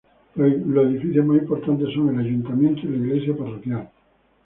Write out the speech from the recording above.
Los edificios más importantes son el ayuntamiento y la iglesia parroquial.